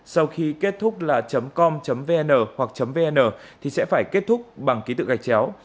sau khi kết thúc là com vn hoặc vn thì sẽ phải kết thúc bằng ký tự gạch chéo